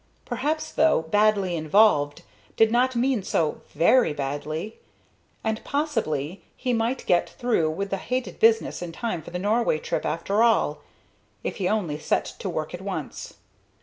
Perhaps, though, "badly involved" did not mean so very badly, and possibly he might get through with the hated business in time for the Norway trip after all, if he only set to work at once.